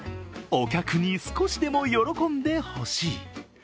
お客に少しでも喜んでほしい。